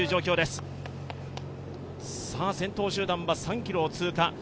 先頭集団は３ｋｍを通過。